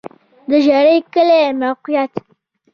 د ژرۍ کلی موقعیت